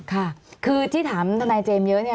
ค่ะคือที่ถามทนายเจมส์เยอะเนี่ย